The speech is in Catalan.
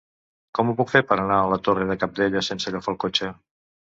Com ho puc fer per anar a la Torre de Cabdella sense agafar el cotxe?